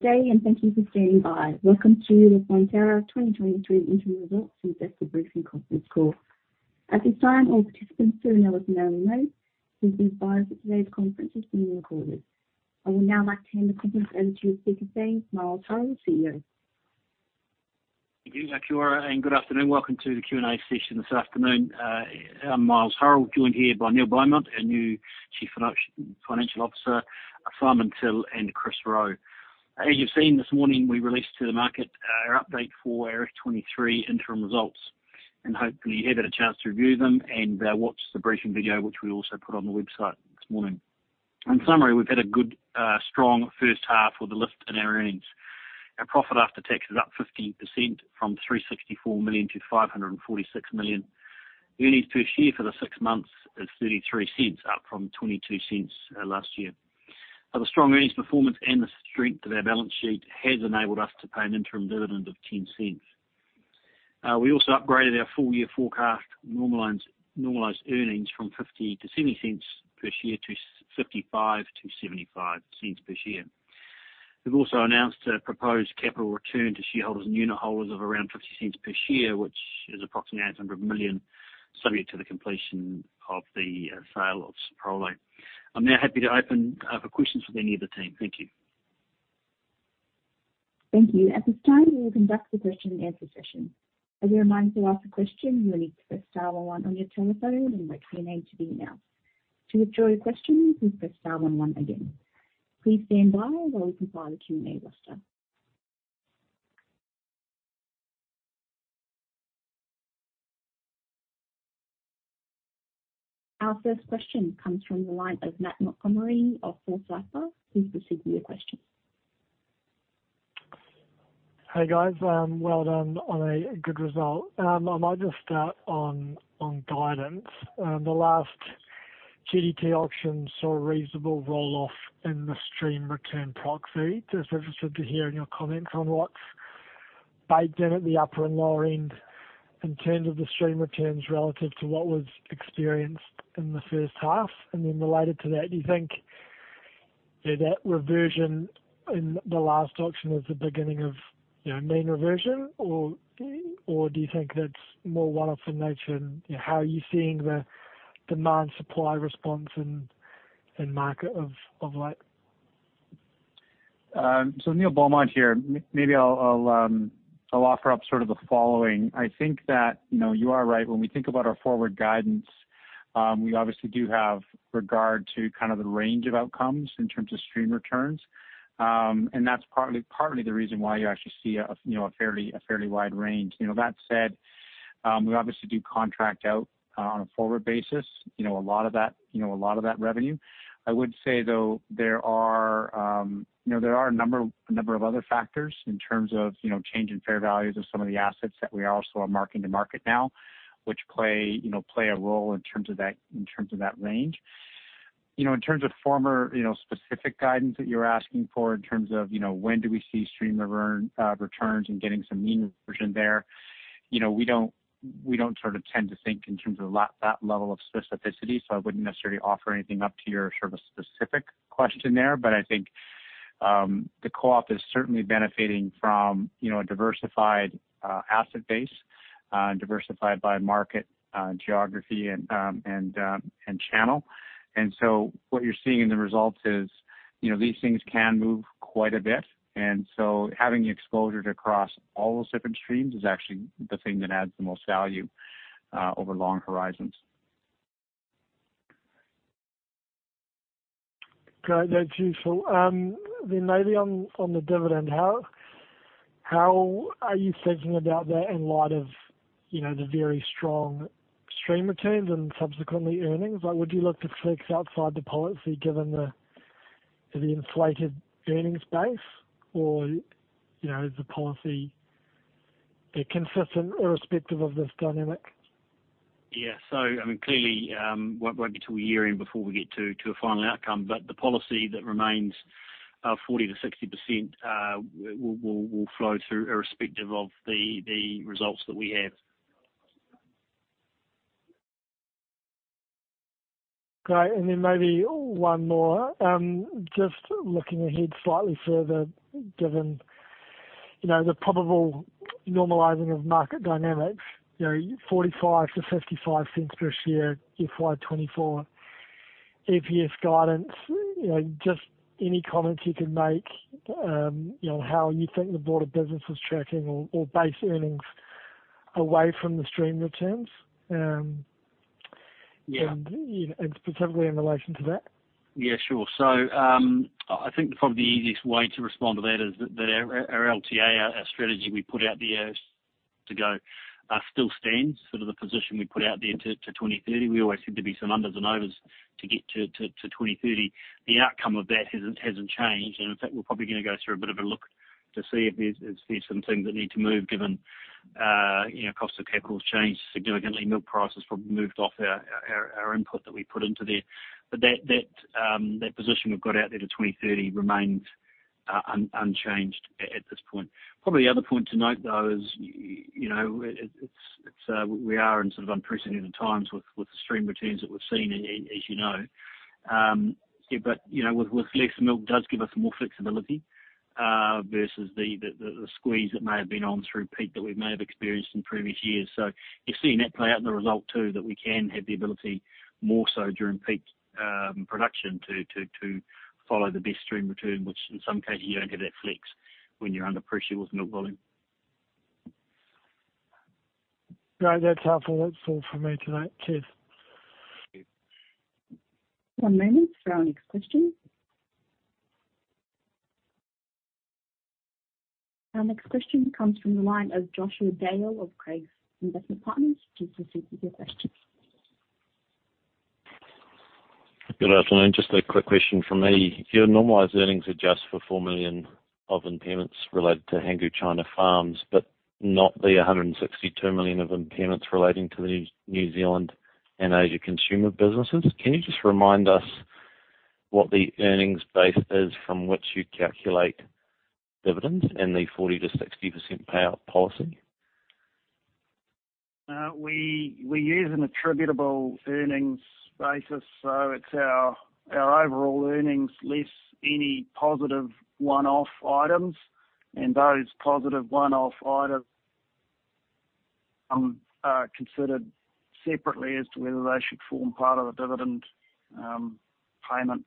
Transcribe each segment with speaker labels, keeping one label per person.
Speaker 1: Day, thank you for standing by. Welcome to the Fonterra 2023 interim results investor briefing conference call. At this time, all participants are in a listen-only mode. Please be advised that today's conference is being recorded. I would now like to hand the conference over to speaker today, Miles Hurrell, CEO.
Speaker 2: Thank you. Kia ora, and good afternoon. Welcome to the Q&A session this afternoon. I'm Miles Hurrell, joined here by Neil Beaumont, our new Chief Financial Officer, Simon Till, and Chris Rowe. As you've seen this morning, we released to the market, our update for our 2023 interim results, hopefully you've had a chance to review them and watch the briefing video, which we also put on the website this morning. In summary, we've had a good, strong first half with a lift in our earnings. Our profit after tax is up 50% from 364 million-546 million. Earnings per share for the six months is 0.33, up from 0.22 last year. The strong earnings performance and the strength of our balance sheet has enabled us to pay an interim dividend of 0.10. We also upgraded our full year forecast normalized earnings from 0.50-0.70 per year to 0.55-0.75 per share. We've also announced a proposed capital return to shareholders and unitholders of around 0.50 per share, which is approximately 800 million subject to the completion of the sale of Soprole. I'm now happy to open for questions with any of the team. Thank you.
Speaker 1: Thank you. At this time, we will conduct the question and answer session. As a reminder, to ask a question, you will need to press star one one on your telephone and wait for your name to be announced. To withdraw your question, please press star one one again. Please stand by while we compile the Q&A roster. Our first question comes from the line of Matt Montgomerie of Forsyth Barr. Please proceed with your question.
Speaker 3: Hey, guys. Well done on a good result. I might just start on guidance. The last GDT auction saw a reasonable roll-off in the stream returns proxy. Just interested to hearing your comments on what's baked in at the upper and lower end in terms of the stream returns relative to what was experienced in the first half. Then related to that, do you think that reversion in the last auction was the beginning of, you know, mean reversion or do you think that's more one-off in nature? How are you seeing the demand-supply response in market of late?
Speaker 4: Neil Beaumont here. Maybe I'll offer up sort of the following. I think that, you know, you are right. When we think about our forward guidance, we obviously do have regard to kind of the range of outcomes in terms of stream returns. That's partly the reason why you actually see a, you know, a fairly wide range. You know, that said, we obviously do contract out on a forward basis. You know, a lot of that, you know, a lot of that revenue. I would say, though, there are, you know, there are a number of other factors in terms of, you know, change in fair values of some of the assets that we also are marking to market now, which play, you know, play a role in terms of that, in terms of that range. You know, in terms of former, you know, specific guidance that you're asking for in terms of, you know, when do we see stream returns and getting some mean reversion there, you know, we don't sort of tend to think in terms of that level of specificity, so I wouldn't necessarily offer anything up to your sort of specific question there. I think, the co-op is certainly benefiting from, you know, a diversified, asset base, diversified by market, geography and, and channel. What you're seeing in the results is, you know, these things can move quite a bit, and so having the exposure to cross all those different streams is actually the thing that adds the most value, over long horizons.
Speaker 3: Great. That's useful. maybe on the dividend, how are you thinking about that in light of, you know, the very strong stream returns and subsequently earnings? Like, would you look to fix outside the policy given the inflated earnings base or, you know, is the policy consistent irrespective of this dynamic?
Speaker 2: I mean, clearly, won't be till year-end before we get to a final outcome, but the policy that remains, 40%-60%, will flow through irrespective of the results that we have.
Speaker 3: Great. Maybe one more. Just looking ahead slightly further, given, you know, the probable normalizing of market dynamics, you know, 0.45-0.55 per share FY 2024 EPS guidance, you know, just any comments you can make, you know, how you think the broader business was tracking or base earnings away from the stream returns?
Speaker 2: Yeah.
Speaker 3: You know, and specifically in relation to that.
Speaker 2: Yeah, sure. I think probably the easiest way to respond to that is that our LTA, our strategy we put out there to go still stands. Sort of the position we put out there to 2030. We always said there'd be some unders and overs to get to 2030. The outcome of that hasn't changed. In fact, we're probably gonna go through a bit of a look to see if there's some things that need to move given, you know, cost of capital's changed significantly. Milk price has probably moved off our input that we put into there. That position we've got out there to 2030 remains unchanged at this point. Probably the other point to note, though, is You know, it's, we are in sort of unprecedented times with extreme returns that we've seen as you know. You know, with less milk does give us more flexibility versus the squeeze that may have been on through peak that we may have experienced in previous years. You're seeing that play out in the result too, that we can have the ability more so during peak production to follow the best stream returns, which in some cases you don't get that flex when you're under pressure with milk volume.
Speaker 3: Great. That's helpful. That's all for me tonight. Cheers.
Speaker 1: One moment for our next question. Our next question comes from the line of Joshua Dale of Craigs Investment Partners. Please proceed with your question.
Speaker 5: Good afternoon. Just a quick question from me. Your normalized earnings adjust for 4 million of impairments related to Hangu China Farms, but not the 162 million of impairments relating to the New Zealand and Asia consumer businesses. Can you just remind us what the earnings base is from which you calculate dividends in the 40%-60% payout policy?
Speaker 6: We use an attributable earnings basis. It's our overall earnings less any positive one-off items, and those positive one-off items are considered separately as to whether they should form part of the dividend payment.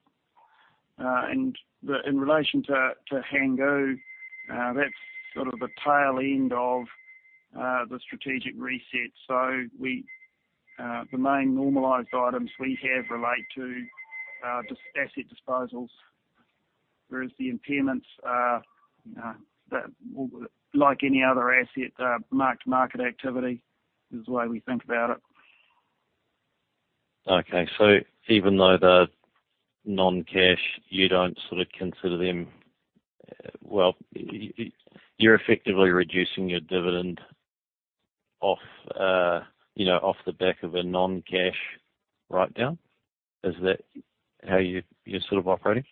Speaker 6: In relation to Hangu, that's sort of the tail end of the strategic reset. We the main normalized items we have relate to asset disposals, whereas the impairments are like any other asset mark-to-market activity is the way we think about it.
Speaker 5: Okay. Even though they're non-cash, you don't sort of consider them, well, you're effectively reducing your dividend off, you know, off the back of a non-cash write down. Is that how you're sort of operating?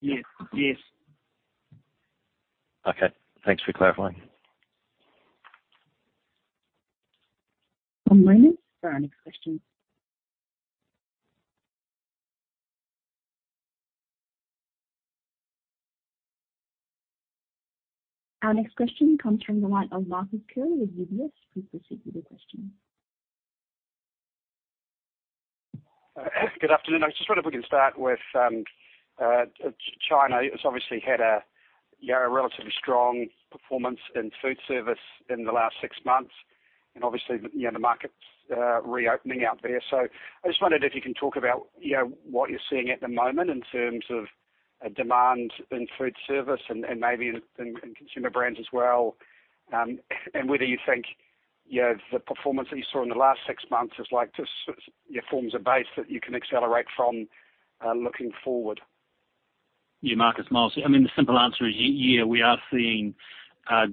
Speaker 6: Yes. Yes.
Speaker 5: Okay. Thanks for clarifying.
Speaker 1: One moment for our next question. Our next question comes from the line of Marcus Curley with UBS. Please proceed with your question.
Speaker 7: Good afternoon. I just wonder if we can start with China. It's obviously had a, you know, relatively strong performance in food service in the last six months, and obviously, you know, the market's reopening out there. I just wondered if you can talk about, you know, what you're seeing at the moment in terms of demand in food service and maybe in consumer brands as well, and whether you think, you know, the performance that you saw in the last six months is like, just, you know, forms a base that you can accelerate from looking forward?
Speaker 2: Yeah. Marcus, Miles. I mean, the simple answer is yeah, we are seeing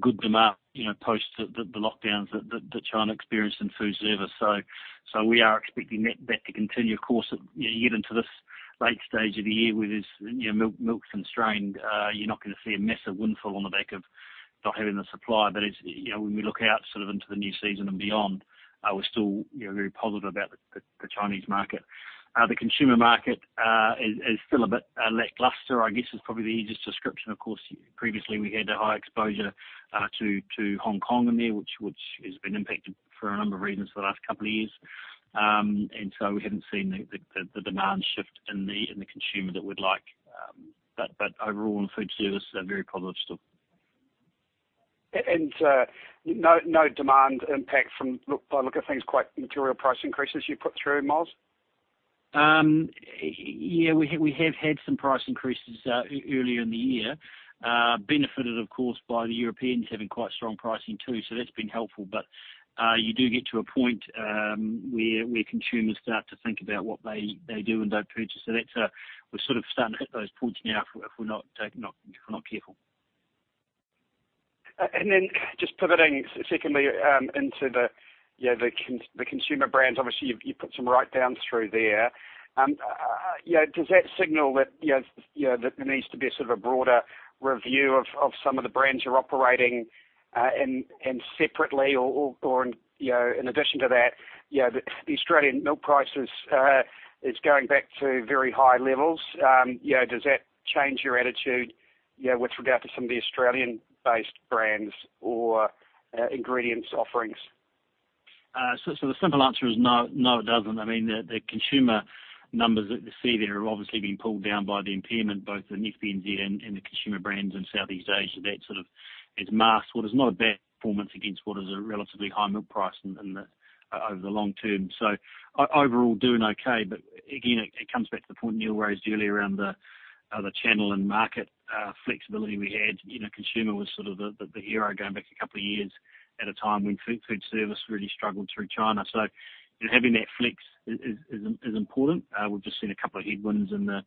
Speaker 2: good demand, you know, post the lockdowns that China experienced in food service. We are expecting that to continue. Of course, you know, you get into this late stage of the year where there's, you know, milk constrained, you're not gonna see a massive windfall on the back of not having the supply. As, you know, when we look out sort of into the new season and beyond, we're still, you know, very positive about the Chinese market. The consumer market is still a bit lackluster, I guess, is probably the easiest description. Previously we had a high exposure to Hong Kong in there, which has been impacted for a number of reasons for the last couple of years. We haven't seen the demand shift in the consumer that we'd like. Overall, in food service, they're very positive still.
Speaker 7: No demand impact from... I look at things quite material price increases you put through, Miles?
Speaker 2: We have had some price increases earlier in the year, benefited of course by the Europeans having quite strong pricing too, so that's been helpful. You do get to a point where consumers start to think about what they do and don't purchase. That's we're sort of starting to hit those points now if we're not careful.
Speaker 7: Then just pivoting secondly, into the, you know, the consumer brands, obviously you put some write downs through there. You know, does that signal that, you know, that there needs to be a sort of a broader review of some of the brands you're operating, and separately or, and, you know, in addition to that, you know, the Australian milk prices is going back to very high levels. You know, does that change your attitude, you know, with regard to some of the Australian-based brands or ingredients offerings?
Speaker 2: The simple answer is no. No, it doesn't. I mean, the consumer numbers that you see there are obviously being pulled down by the impairment, both in FBNZ and the consumer brands in Southeast Asia that sort of has masked what is not a bad performance against what is a relatively high milk price in the over the long term. Overall doing okay, but again, it comes back to the point Neil raised earlier around the channel and market flexibility we had. You know, consumer was sort of the hero going back a couple of years at a time when food service really struggled through China. Having that flex is important. We've just seen a couple of headwinds in the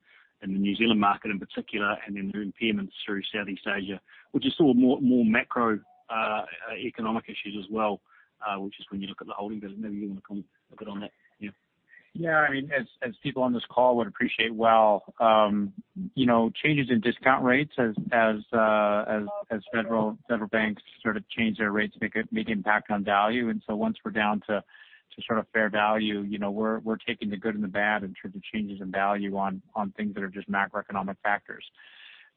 Speaker 2: New Zealand market in particular, and then the impairments through Southeast Asia, which is sort of more macro economic issues as well, which is when you look at the holding business. Maybe you wanna comment a bit on that, yeah.
Speaker 4: Yeah, I mean, as people on this call would appreciate well, you know, changes in discount rates as federal banks sort of change their rates make impact on value. Once we're down to sort of fair value, you know, we're taking the good and the bad in terms of changes in value on things that are just macroeconomic factors.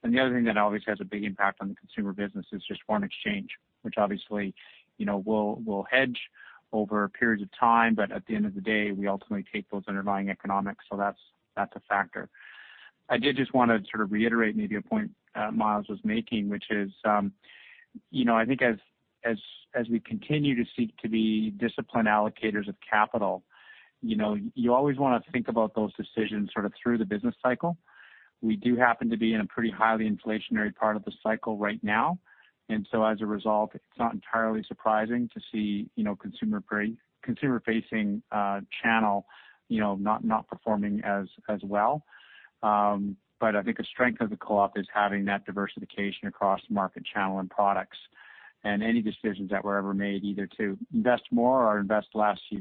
Speaker 4: The other thing that obviously has a big impact on the consumer business is just foreign exchange, which obviously, you know, we'll hedge over periods of time. At the end of the day, we ultimately take those underlying economics. That's a factor. I did just want to sort of reiterate maybe a point, Miles was making, which is, you know, I think as, as we continue to seek to be disciplined allocators of capital, you know, you always wanna think about those decisions sort of through the business cycle. We do happen to be in a pretty highly inflationary part of the cycle right now. As a result, it's not entirely surprising to see, you know, consumer-facing channel, not performing as well. I think the strength of the co-op is having that diversification across market channel and products. Any decisions that were ever made, either to invest more or invest less, you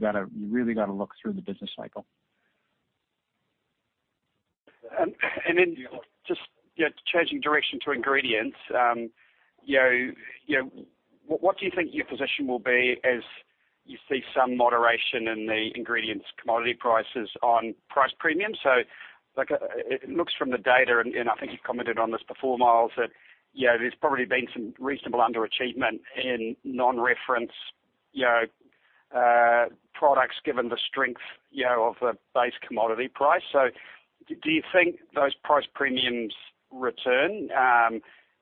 Speaker 4: really gotta look through the business cycle.
Speaker 7: Just, yeah, changing direction to ingredients, you know, you know, what do you think your position will be as you see some moderation in the ingredients commodity prices on price premium? Like, it looks from the data, and I think you've commented on this before, Miles, that, you know, there's probably been some reasonable underachievement in non-reference, you know, products, given the strength, you know, of the base commodity price. Do you think those price premiums return,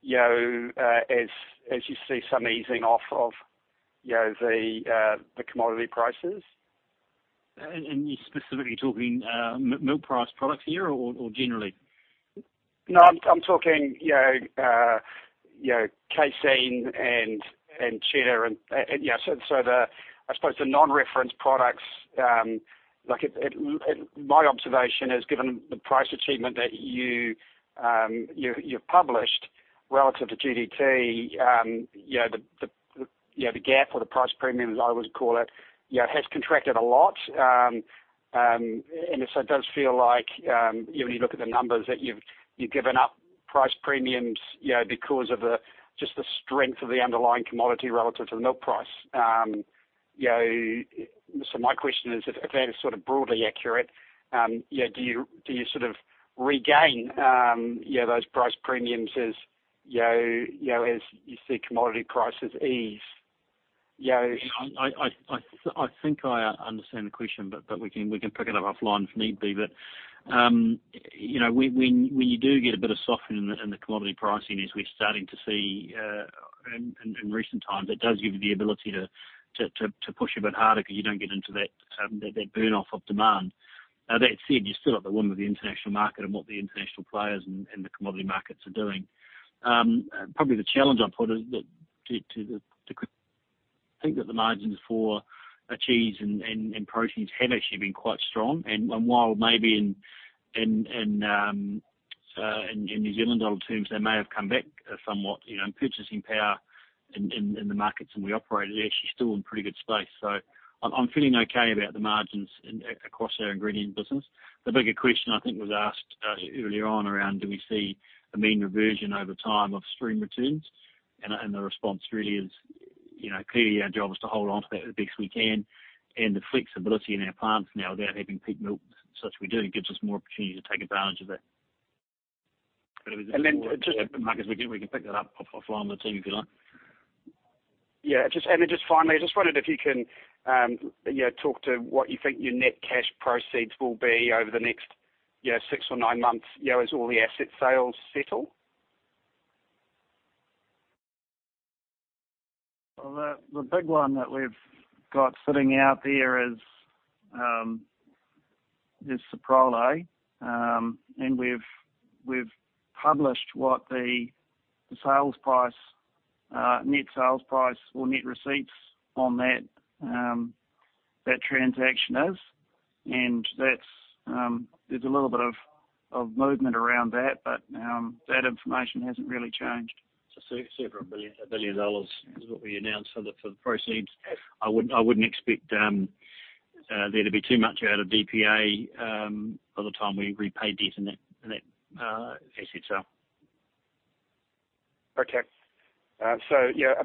Speaker 7: you know, as you see some easing off of, you know, the commodity prices?
Speaker 2: And you're specifically talking, milk price products here or generally?
Speaker 7: No, I'm talking, you know, you know, Casein and Cheddar and, yeah, so the, I suppose the non-reference products, like my observation is, given the price achievement that you've published relative to GDT, you know, you know, the gap or the price premium, as I always call it, you know, has contracted a lot. It does feel like, you know, when you look at the numbers that you've given up price premiums, you know, because of the, just the strength of the underlying commodity relative to the milk price. You know, my question is, if that is sort of broadly accurate, you know, do you sort of regain, you know, those price premiums as, you know, as you see commodity prices ease, you know...
Speaker 2: I think I understand the question, but we can pick it up offline if need be. You know, when you do get a bit of softening in the commodity pricing, as we're starting to see in recent times, it does give you the ability to push a bit harder 'cause you don't get into that burn off of demand. That said, you still at the whim of the international market and what the international players and the commodity markets are doing. Probably the challenge I'd put is that to Chris, I think that the margins for cheese and proteins have actually been quite strong. While maybe in New Zealand dollar terms, they may have come back somewhat, you know, in purchasing power in the markets, we operate actually still in pretty good space. I'm feeling okay about the margins across our ingredient business. The bigger question I think was asked earlier on around, do we see a mean reversion over time of stream returns? The response really is, you know, clearly our job is to hold onto that as best we can. The flexibility in our plants now without having peak milk, such we do, gives us more opportunity to take advantage of it.
Speaker 7: And then just-
Speaker 2: Marcus, we can pick that up offline with the team, if you like.
Speaker 7: Yeah. Just, finally, I just wondered if you can, you know, talk to what you think your net cash proceeds will be over the next, you know, six or nine months, you know, as all the asset sales settle.
Speaker 2: Well, the big one that we've got sitting out there is Soprole. We've, we've published what the sales price, net sales price or net receipts on that transaction is. That's. There's a little bit of movement around that, but that information hasn't really changed.
Speaker 4: Several billion, NZD 1 billion is what we announced for the proceeds.
Speaker 2: Yes.
Speaker 4: I wouldn't expect there to be too much out of DPA by the time we repay debt in that, in that, asset sale.
Speaker 7: Okay. 1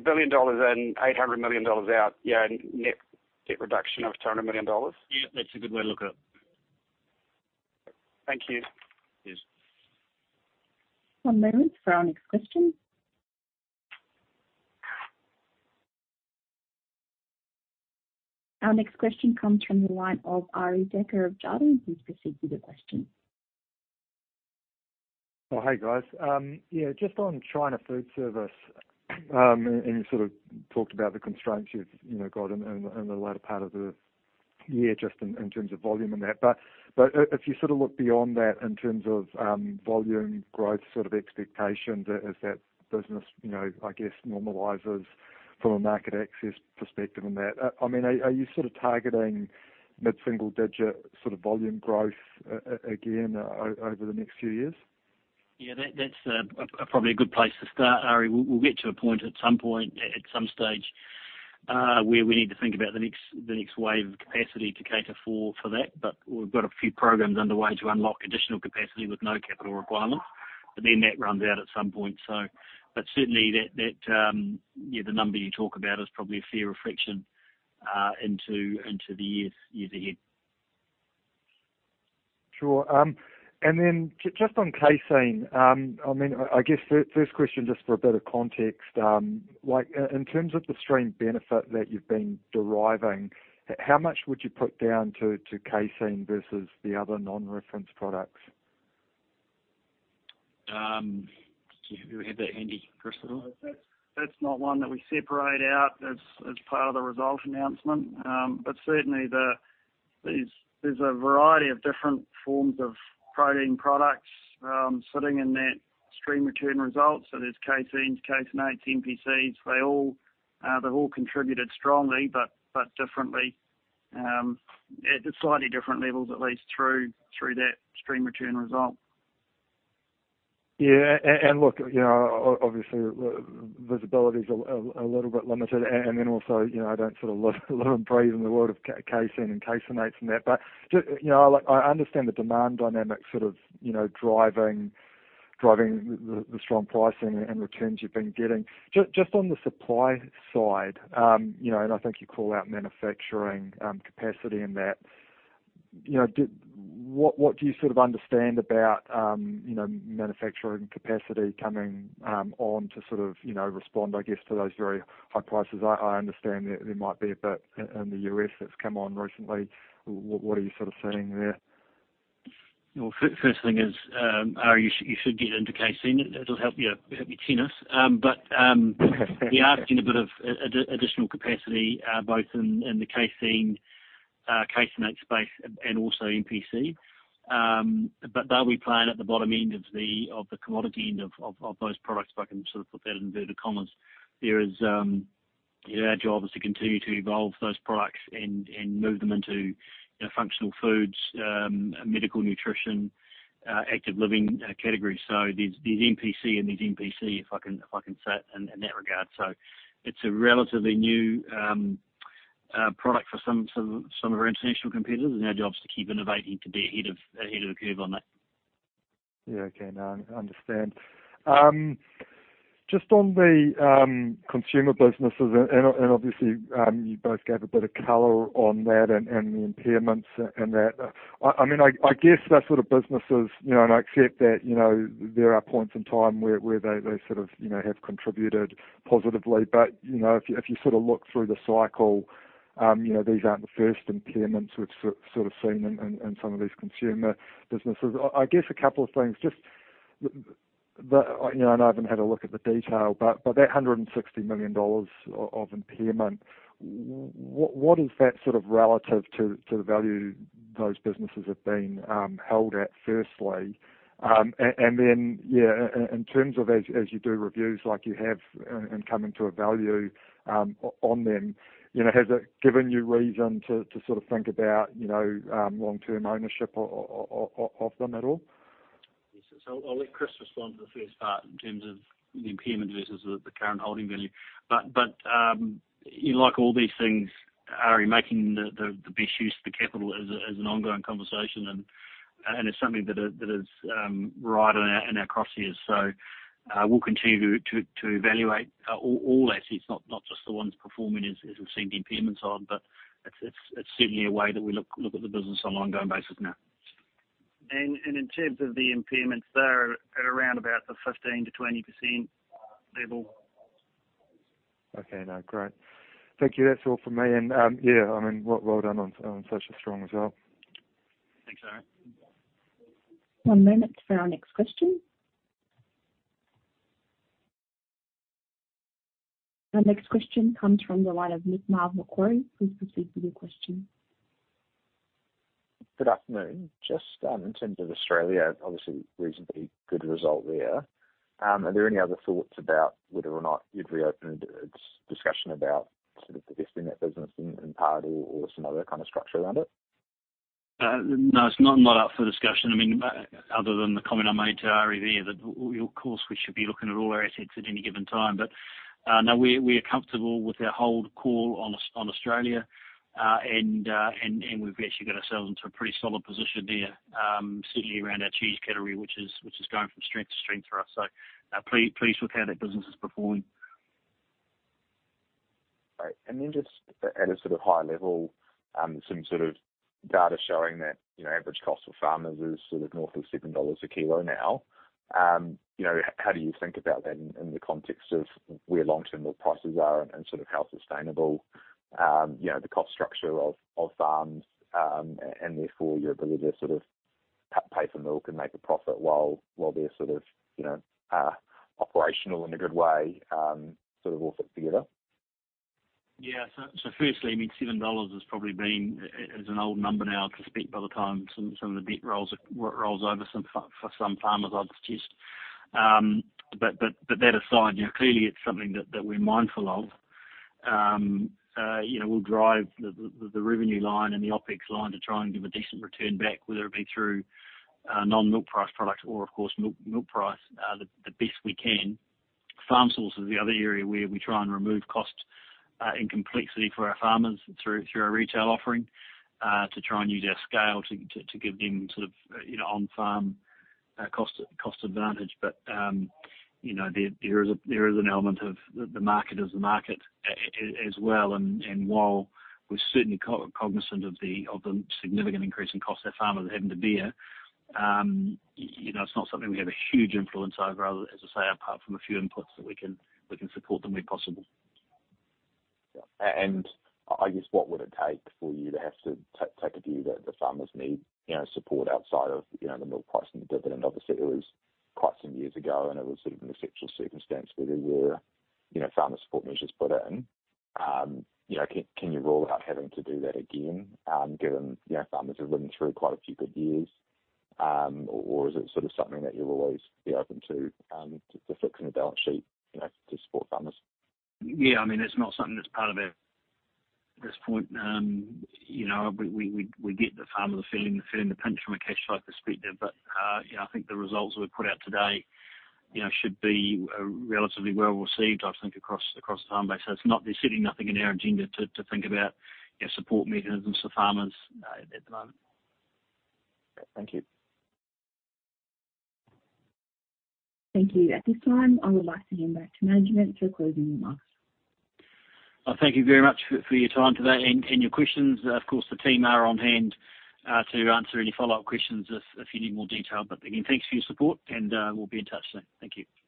Speaker 7: billion dollars in, 800 million dollars out. Net debt reduction of 200 million dollars?
Speaker 4: Yeah. That's a good way to look at it.
Speaker 7: Thank you.
Speaker 4: Cheers.
Speaker 1: One moment for our next question. Our next question comes from the line of Arie Dekker of Jarden. Please proceed with your question.
Speaker 8: Hey, guys. Yeah, just on China food service, and you sort of talked about the constraints you've, you know, got in the latter part of the year just in terms of volume and that. If you sort of look beyond that in terms of volume growth sort of expectations as that business, you know, I guess normalizes from a market access perspective on that, are you sort of targeting mid-single digit sort of volume growth again over the next few years?
Speaker 2: Yeah, that's probably a good place to start, Arie. We'll get to a point at some point, at some stage where we need to think about the next wave of capacity to cater for that. We've got a few programs underway to unlock additional capacity with no capital requirements, but then that runs out at some point. Certainly that, the number you talk about is probably a fair reflection into the years ahead.
Speaker 8: Sure. Just on casein, I mean, I guess first question, just for a bit of context, like in terms of the stream benefit that you've been deriving, how much would you put down to casein versus the other non-reference products?
Speaker 2: Do you have that handy, Chris, at all?
Speaker 6: That's not one that we separate out as part of the result announcement. Certainly there's a variety of different forms of protein products sitting in that stream returns results. There's caseins, caseinate, MPCs. They all, they've all contributed strongly, but differently, at slightly different levels, at least through that stream returns result.
Speaker 8: Yeah. Look, you know, obviously visibility is a little bit limited. Then also, you know, I don't sort of live and breathe in the world of casein and caseinate and that. You know, like I understand the demand dynamic sort of, you know, driving the strong pricing and returns you've been getting. Just on the supply side, you know, and I think you call out manufacturing capacity in that. You know, what do you sort of understand about, you know, manufacturing capacity coming on to sort of, you know, respond, I guess, to those very high prices? I understand there might be a bit in the U.S. that's come on recently. What are you sort of seeing there?
Speaker 2: First thing is, Arie, you should get into casein. It'll help your tennis. we are seeing a bit of additional capacity both in the casein, caseinate space and also MPC. they'll be playing at the bottom end of the commodity end of those products, if I can sort of put that in inverted commas. There is. You know, our job is to continue to evolve those products and move them into, you know, functional foods, medical nutrition, active living categories. there's MPC and there's MPC, if I can say it in that regard. It's a relatively new product for some of our international competitors, and our job is to keep innovating to be ahead of the curve on that.
Speaker 8: Yeah. Okay. No, I understand. Just on the consumer businesses and and obviously, you both gave a bit of color on that and and the impairments and that. I mean, I guess they're sort of businesses, you know, and I accept that, you know, there are points in time where they sort of, you know, have contributed positively. You know, if you, if you sort of look through the cycle, you know, these aren't the first impairments we've sort of seen in some of these consumer businesses. I guess a couple of things. Just the... You know, and I haven't had a look at the detail, but that $160 million of impairment, what is that sort of relative to the value those businesses have been held at, firstly? In terms of as you do reviews like you have and coming to a value, on them, you know, has it given you reason to sort of think about, you know, long-term ownership of them at all?
Speaker 2: I'll let Chris respond to the first part in terms of the impairment versus the current holding value. You know, like all these things, Arie, making the best use of the capital is an ongoing conversation and it's something that is right in our crosshairs. We'll continue to evaluate all assets, not just the ones performing as we've seen the impairments on, but it's certainly a way that we look at the business on an ongoing basis now.
Speaker 6: In terms of the impairments, they're at around about the 15%-20% level.
Speaker 8: Okay. No, great. Thank you. That's all for me. Yeah, I mean, well done on such a strong result.
Speaker 2: Thanks, Arie.
Speaker 1: One moment for our next question. Our next question comes from the line of Nick Marvie, Macquarie. Please proceed with your question.
Speaker 9: Good afternoon. Just in terms of Australia, obviously reasonably good result there. Are there any other thoughts about whether or not you'd reopen a discussion about sort of divesting that business in part or some other kind of structure around it?
Speaker 2: No, it's not up for discussion. I mean, other than the comment I made to Arie there, that of course we should be looking at all our assets at any given time. No, we are comfortable with our hold call on Australia. We've actually got ourselves into a pretty solid position there, certainly around our Cheddar category, which is going from strength to strength for us. Pleased with how that business is performing.
Speaker 9: Great. Then just at a sort of high level, some sort of data showing that, you know, average cost for farmers is sort of north of 7 dollars a kilo now. You know, how do you think about that in the context of where long-term milk prices are and sort of how sustainable, you know, the cost structure of farms, and therefore your ability to sort of pay for milk and make a profit while they're sort of, you know, operational in a good way, sort of all fit together?
Speaker 2: Yeah. Firstly, I mean, 7 dollars has probably been an old number now to speak by the time some of the debt rolls over, for some farmers, I'd suggest. That aside, you know, clearly it's something that we're mindful of. You know, we'll drive the revenue line and the OpEx line to try and give a decent return back, whether it be through non-milk price products or of course, milk price, the best we can. Farm Source is the other area where we try and remove cost and complexity for our farmers through our retail offering, to try and use our scale to give them sort of, you know, on-farm, cost advantage. You know, there is a, there is an element of the market is the market as well. While we're certainly cognizant of the, of the significant increase in cost that farmers are having to bear, you know, it's not something we have a huge influence over, as I say, apart from a few inputs that we can support them where possible.
Speaker 9: I guess what would it take for you to have to take a view that the farmers need, you know, support outside of, you know, the milk price and the dividend? Obviously, it was quite some years ago, and it was even exceptional circumstance where there were, you know, farmer support measures put in. You know, can you rule out having to do that again, given, you know, farmers have ridden through quite a few good years? Or is it sort of something that you'll always be open to fix in a balance sheet, you know, to support farmers?
Speaker 2: Yeah. I mean, it's not something that's part of our at this point. you know, we get the farmers are feeling the pinch from a cash flow perspective. you know, I think the results that we've put out today, you know, should be relatively well received, I think, across the farm base. there's certainly nothing in our agenda to think about, you know, support mechanisms for farmers at the moment.
Speaker 9: Thank you.
Speaker 1: Thank you. At this time, I would like to hand back to management for closing remarks.
Speaker 2: Well, thank you very much for your time today and your questions. Of course, the team are on hand to answer any follow-up questions if you need more detail. Again, thanks for your support and we'll be in touch soon. Thank you.
Speaker 4: Thank you.